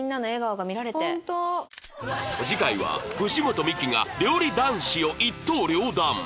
次回は藤本美貴が料理男子を一刀両断！